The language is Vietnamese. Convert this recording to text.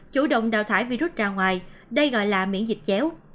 chủ động đào thải virus ra ngoài đây gọi là miễn dịch chéo